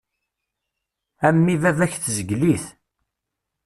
A mmi baba-k tezgel-it.